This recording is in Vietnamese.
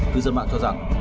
thứ dân mạng cho rằng